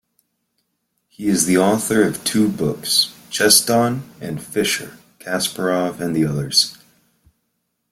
He is the author of two books, "Chessdon" and "Fischer, Kasparov and the Others".